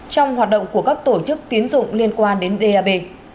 trong hoạt động của các tổ chức tiến dụng liên quan đến dap